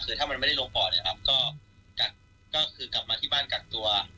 คือถ้ามันไม่ได้ลงปอดก็กลับมาที่บ้านกัดตัว